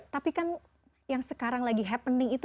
tapi kan yang sekarang lagi happening itu